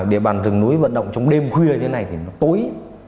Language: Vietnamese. địa bàn rừng núi vận động trong đêm khuya thế này thì nó tối